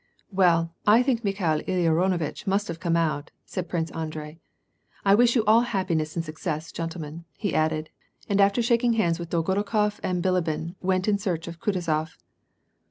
"Well, I think Mikhail Iliaronovitch must have come out," said Prince Andrei, " I wish you all happiness and success, gentlemen," he added, and after shaking hands with Dolgo rukof and Bilibin, went in search of Kutuzof.